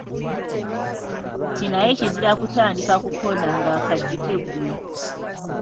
Nti naye kizira kutandika kukoona ng’akaggi keggula.